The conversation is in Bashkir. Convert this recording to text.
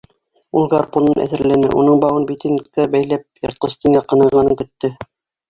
Ул гарпунын әҙерләне, уның бауын битенгҡа бәйләп, йыртҡыстың яҡынайғанын көттө.